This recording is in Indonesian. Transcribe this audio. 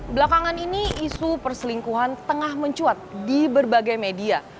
belakangan ini isu perselingkuhan tengah mencuat di berbagai media